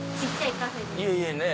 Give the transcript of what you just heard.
いえいえ